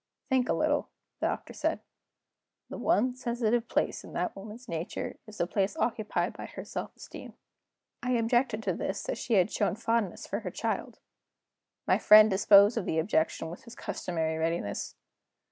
"Think a little," the Doctor said. "The one sensitive place in that woman's nature is the place occupied by her self esteem." I objected to this that she had shown fondness for her child. My friend disposed of the objection with his customary readiness.